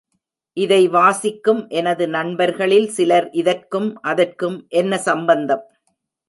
இதை வாசிக்கும் எனது நண்பர்களில் சிலர், இதற்கும் அதற்கும் என்ன சம்பந்தம்?